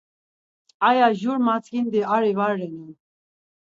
Aya jur matzǩindi ari va renan.